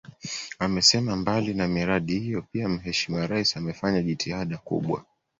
Amesema mbali na miradi hiyo pia Mheshimiwa Rais amefanya jitihada kubwa